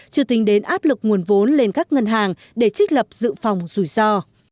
chưa tính đến áp lực nguồn vốn lên các ngân hàng để trích lập dự phòng rủi ro